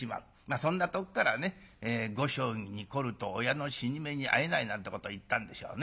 そんなとこからね「碁将棋に凝ると親の死に目にあえない」なんてことを言ったんでしょうね。